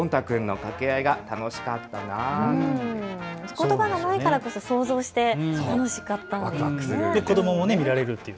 ことばがないからこそ想像して楽しかったんですね。